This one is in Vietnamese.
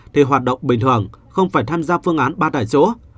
thì hoạt động bình thường không phải tham gia phương án ba tại chỗ